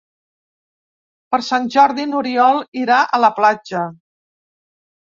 Per Sant Jordi n'Oriol irà a la platja.